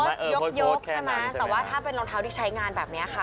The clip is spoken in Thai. ก็ยกใช่ไหมแต่ว่าถ้าเป็นรองเท้าที่ใช้งานแบบนี้ค่ะ